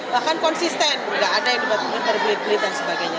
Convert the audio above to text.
bahkan konsisten gak ada yang diperbutin perbeli beli dan sebagainya